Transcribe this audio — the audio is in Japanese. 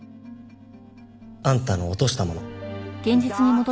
あんたの落としたもの。